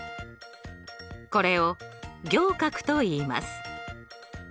これを仰角といいます。